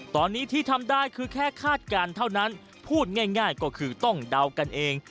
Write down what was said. ตอนนี้ที่ทำได้คือแค่คาดการณ์เท่านั้นพูดง่ายก็คือต้องเดากันเอง